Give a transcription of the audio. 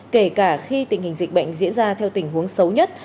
kể cả khi tình hình dịch bệnh diễn ra theo tình huống xấu nhất